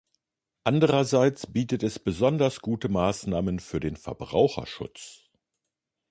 Andererseits bietet es besonders gute Maßnahmen für den Verbraucherschutz.